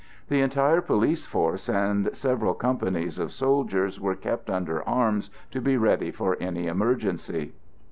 The entire police force and several companies of soldiers were kept under arms to be ready for any emergency.